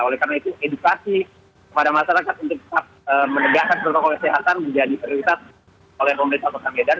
oleh karena itu edukasi kepada masyarakat untuk menegakkan protokol kesehatan menjadi prioritas oleh pemerintah kota medan